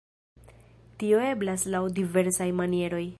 Tio eblas laŭ diversaj manieroj.